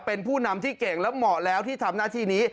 เป็นผู้นำที่เก่งและเหมาะแล้วที่ทำหน้าที่นี้